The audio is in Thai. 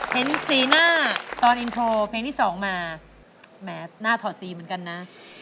เห็นสีหน้าตอนอินโทรเพลงที่๒มาแหมหน้าถอดสีเหมือนกันนะ